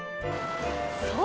そう。